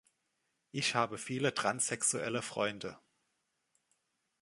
Ich habe viele transsexuelle Freunde.